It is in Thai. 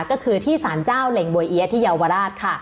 ก็คือที่สารเจ้าเหล็งบัวเอี๊ยะที่เยาวราชค่ะ